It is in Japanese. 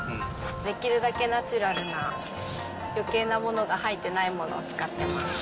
できるだけナチュラルな、よけいなものが入ってないものを使ってます。